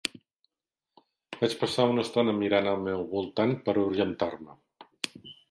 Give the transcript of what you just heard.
Vaig passar una estona mirant al meu voltant per orientar-me.